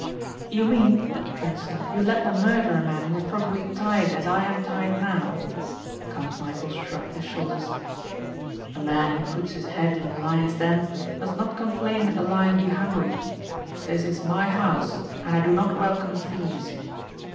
"You mean," Trent snapped, "you let them murder a man who was probably tied as I am tied now?" Count Michæl shrugged his shoulders. "A man who puts his head in the lion's den must not complain if the lion be hungry. This is my house and I do not welcome thieves.